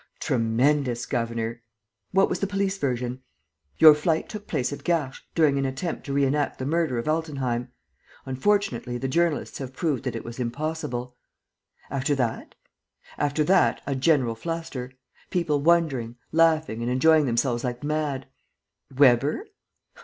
"Tremendous, governor!" "What was the police version?" "Your flight took place at Garches, during an attempt to reënact the murder of Altenheim. Unfortunately, the journalists have proved that it was impossible." "After that?" "After that, a general fluster. People wondering, laughing and enjoying themselves like mad." "Weber?"